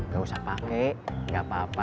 gak usah pake gak apa apa